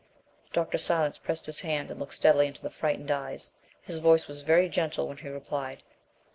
Dr. Silence pressed his hand and looked steadily into the frightened eyes. His voice was very gentle when he replied.